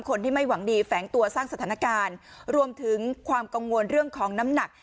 คนที่ไม่หวังดีแฝงตัวสร้างสถานการณ์รวมถึงความกังวลเรื่องของน้ำหนัก